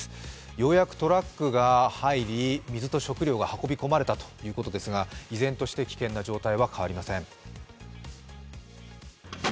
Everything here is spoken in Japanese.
ようやくトラックが入り水と食料が運び込まれたということですが依然として危険な状態は変わりません。